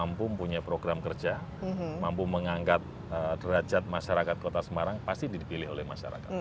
mampu punya program kerja mampu mengangkat derajat masyarakat kota semarang pasti dipilih oleh masyarakat